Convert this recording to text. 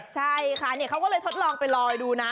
ใช่ค่ะเขาก็เลยทดลองไปลอยดูนะ